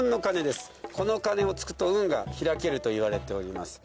この鐘を突くと運が開けるといわれております。